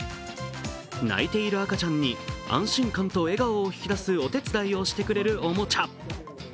泣いている赤ちゃんに安心感と笑顔を引き出すお手伝いをしてくれるおもちゃ。